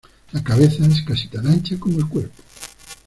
La cabeza es casi tan ancha como el cuerpo.